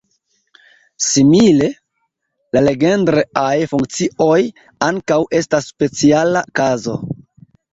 Simile, la Legendre-aj funkcioj ankaŭ estas speciala kazo.